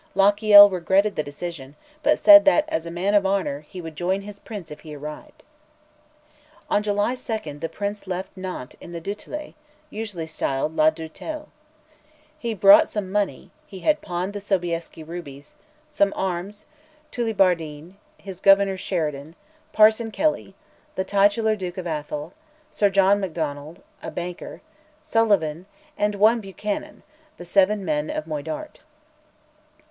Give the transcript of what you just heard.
Lochiel regretted the decision, but said that, as a man of honour, he would join his Prince if he arrived. On July 2 the Prince left Nantes in the Dutillet (usually styled La Doutelle). He brought some money (he had pawned the Sobieski rubies), some arms, Tullibardine, his Governor Sheridan, Parson Kelly, the titular Duke of Atholl, Sir John Macdonald, a banker, Sullivan, and one Buchanan the Seven Men of Moidart.